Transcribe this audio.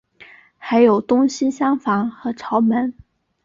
还有东西厢房和朝门。